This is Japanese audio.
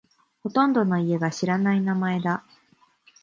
ほとんどの家が知らない名前だ。